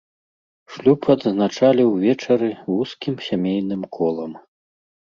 Шлюб адзначалі ўвечары вузкім сямейным колам.